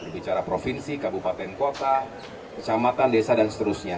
bicara provinsi kabupaten kota kecamatan desa dan seterusnya